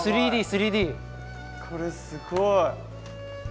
これすごい！